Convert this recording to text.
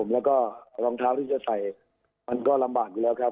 แล้วก็รองเท้าที่จะใส่มันก็ลำบากอยู่แล้วครับ